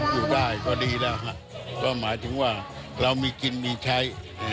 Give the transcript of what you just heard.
อยู่ได้ก็ดีแล้วก็หมายถึงว่าเรามีกินมีใช้